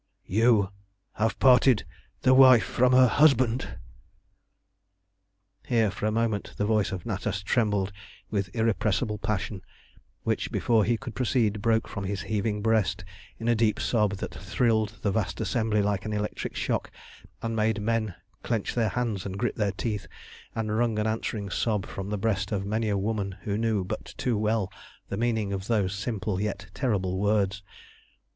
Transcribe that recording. "You have parted the wife from her husband" Here for the moment the voice of Natas trembled with irrepressible passion, which, before he could proceed, broke from his heaving breast in a deep sob that thrilled the vast assembly like an electric shock, and made men clench their hands and grit their teeth, and wrung an answering sob from the breast of many a woman who knew but too well the meaning of those simple yet terrible words.